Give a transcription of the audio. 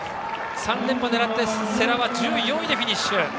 ３連覇を狙った世羅は１４位でフィニッシュ。